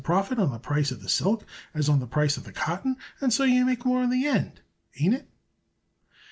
profit on the price of the silk as on the price of the cotton, and so you make more in the end. Ain't it?"